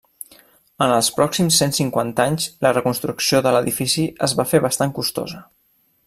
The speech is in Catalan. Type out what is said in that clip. En els pròxims cent cinquanta anys, la reconstrucció de l'edifici es va fer bastant costosa.